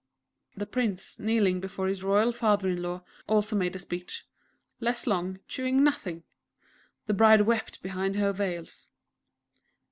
The Prince, kneeling before his royal father in law, also made a speech, less long chewing nothing! The Bride wept behind her veils.